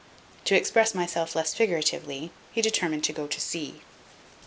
To express myself less figuratively, he determined to go to sea.